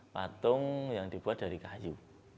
patung yang dibuat dari kayu